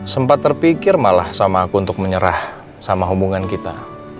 sempat terpikir malah sama aku untuk menyerah sama hubungan kita